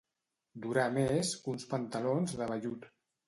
Durar més que uns pantalons de vellut.